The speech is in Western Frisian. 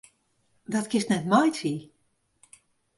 Dat kinst net meitsje!